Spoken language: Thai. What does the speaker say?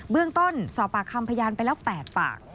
เรื่องต้นสอบปากคำพยานไปแล้ว๘ปาก